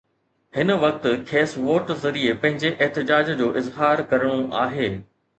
هن وقت کيس ووٽ ذريعي پنهنجي احتجاج جو اظهار ڪرڻو آهي.